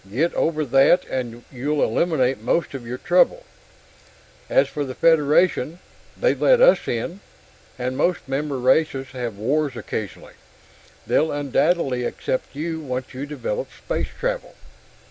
Get over that and you'll eliminate most of your trouble. As for the Federation, they let us in, and most member races have wars occasionally; they'll undoubtedly accept you, once you develop space travel.